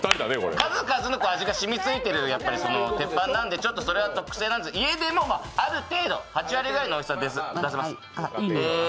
数々の味が染みついている鉄板なんで、それは特製なんで、家でもある程度８割ぐらいのおいしさを出せます。